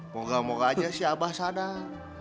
moga moga aja si abah sadar